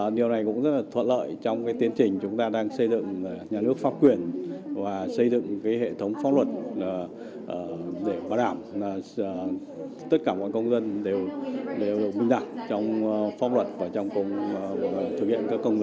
điều này cũng rất là thuận lợi trong tiến trình chúng ta đang xây dựng nhà nước pháp quyền và xây dựng hệ thống pháp luật để bảo đảm tất cả mọi công dân đều bình đẳng trong pháp luật và trong thực hiện các công nghệ